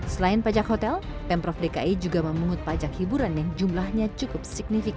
selain pajak hotel pemprov dki juga memungut pajak hiburan yang jumlahnya cukup signifikan